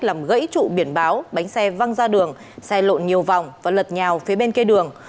làm gãy trụ biển báo bánh xe văng ra đường xe lộn nhiều vòng và lật nhào phía bên kia đường